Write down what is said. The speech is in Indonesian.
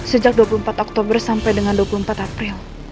sejak dua puluh empat oktober sampai dengan dua puluh empat april